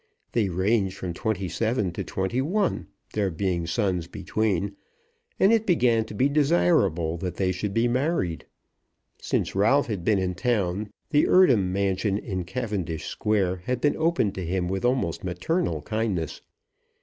They ranged from twenty seven to twenty one, there being sons between, and it began to be desirable that they should be married. Since Ralph had been in town the Eardham mansion in Cavendish Square had been opened to him with almost maternal kindness.